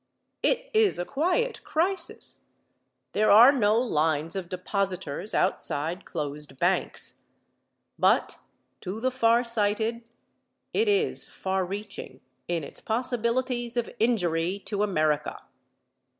It is a quiet crisis. There are no lines of depositors outside closed banks. But to the far sighted it is far reaching in its possibilities of injury to America.